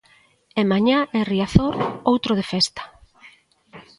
E mañá en Riazor outro de festa.